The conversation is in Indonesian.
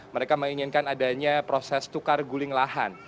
mereka menginginkan adanya proses tukar guling lahan